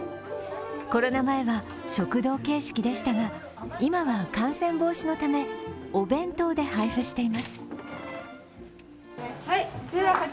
コロナ前は食堂形式でしたが今は感染防止のためお弁当で配布しています。